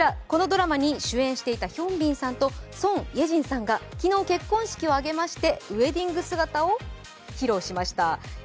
このドラマに主演していたヒョンビンさんとソン・イェジンさんが昨日結婚式を挙げましてウエディング姿を披露しました。